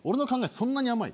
そんなに甘い？